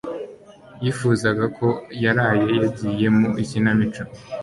yifuzaga ko yaraye yagiye mu ikinamico.